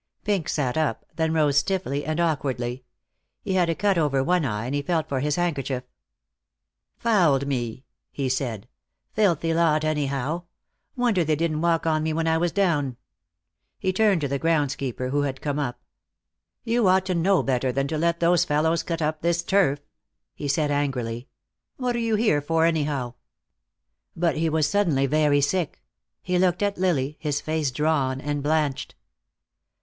Pink sat up, then rose stiffly and awkwardly. He had a cut over one eye, and he felt for his handkerchief. "Fouled me," he said. "Filthy lot, anyhow. Wonder they didn't walk on me when I was down." He turned to the grounds keeper, who had come up. "You ought to know better than to let those fellows cut up this turf," he said angrily. "What're you here for anyhow?" But he was suddenly very sick. He looked at Lily, his face drawn and blanched.